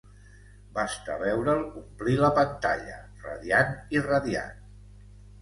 Basta veure'l omplir la pantalla, radiant i radiat.